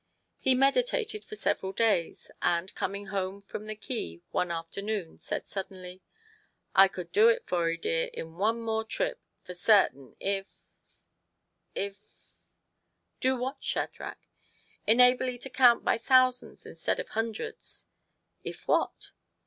He meditated for several days, and coming home from the quay one afternoon, said suddenly " I could do it for 'ee, dear, in one more trip, for certain, if if " Do what, Shadrach ?" "Enable 'ee to count by thousands instead of hundreds." " If what